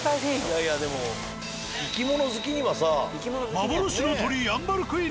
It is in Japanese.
いやいやでも生き物好きにはさ。